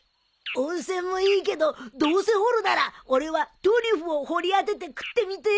温泉もいいけどどうせ掘るなら俺はトリュフを掘り当てて食ってみてえな。